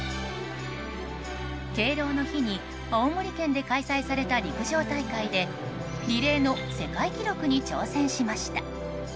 敬老の日に青森県で開催された陸上大会でリレーの世界記録に挑戦しました。